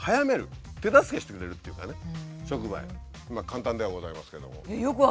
簡単ではございますけども。